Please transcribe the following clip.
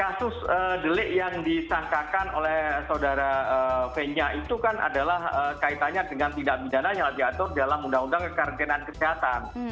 kasus delik yang disangkakan oleh saudara fenya itu kan adalah kaitannya dengan tindak pidana yang diatur dalam undang undang kekarantinaan kesehatan